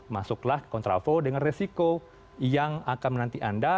masuklah kontraflow dengan resiko yang akan menanti anda